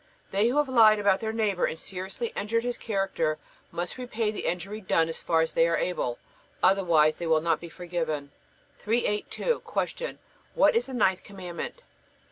They who have lied about their neighbor and seriously injured his character must repair the injury done as far as they are able, otherwise they will not be forgiven. 382. Q. What is the ninth Commandment?